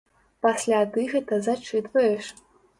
Пасля ты гэта зачытваеш.